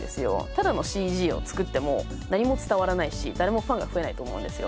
ただのＣＧを作っても何も伝わらないし誰もファンが増えないと思うんですよ。